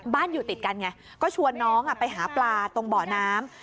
อยู่ติดกันไงก็ชวนน้องไปหาปลาตรงบ่อน้ำ